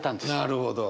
なるほど。